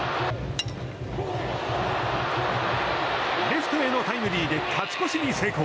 レフトへのタイムリーで勝ち越しに成功。